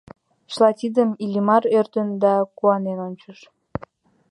Чыла тидым Иллимар ӧрын да куанен ончыш.